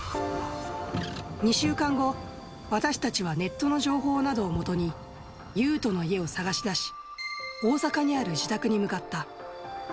２週間後、私たちはネットの情報などを基に、ユウトの家を探し出し、大阪にある自宅に向かった。